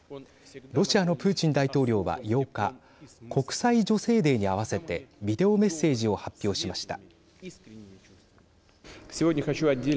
ロシアのプーチン大統領は８日国際女性デーに合わせてビデオメッセージを発表しました。